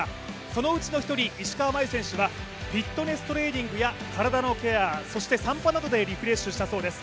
そのうちの１人、石川真佑選手はフィットネストレーニングや体のケア、そして散歩などでリフレッシュしたそうです。